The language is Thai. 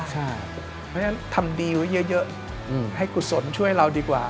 เพราะฉะนั้นทำดีไว้เยอะให้กุศลช่วยเราดีกว่า